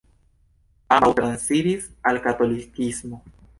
Ambaŭ transiris al katolikismo.